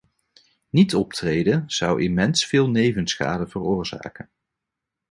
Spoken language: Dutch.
Niet optreden zou immens veel nevenschade veroorzaken.